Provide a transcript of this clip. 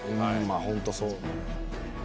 まあ本当そう。